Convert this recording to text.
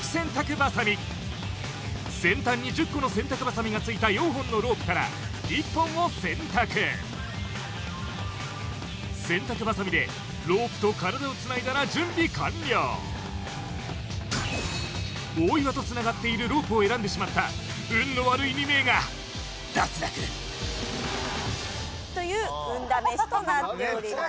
バサミ先端に１０個の洗濯バサミがついた４本のロープから１本を選択洗濯バサミでロープと体をつないだら準備完了大岩とつながっているロープを選んでしまった運の悪い２名が脱落という運試しとなっております